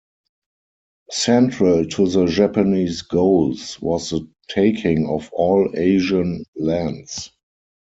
Central to the Japanese goals was the taking of all Asian lands.